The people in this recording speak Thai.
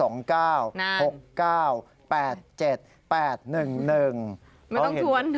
ไม่ต้องทวนเหรอ